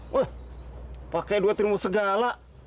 wah pake dua ribu segala